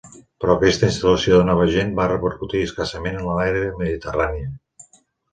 Però, aquesta instal·lació de nova gent va repercutir escassament en l'àrea mediterrània.